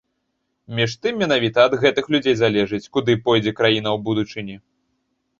Між тым, менавіта ад гэтых людзей залежыць, куды пойдзе краіна ў будучыні.